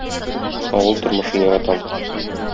Авыл тормышын яратам